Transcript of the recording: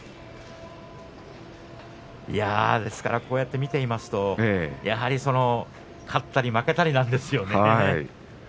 こうやって見ていますとやはり勝ったり負けたりなんですよね。